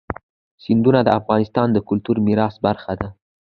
سیندونه د افغانستان د کلتوري میراث برخه ده.